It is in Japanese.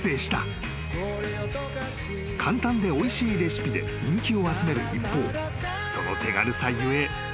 ［簡単でおいしいレシピで人気を集める一方その手軽さ故］